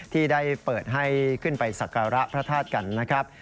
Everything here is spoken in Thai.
ที่ได้เปิดให้ขึ้นไปสักการะพระธาตุกันนะครับ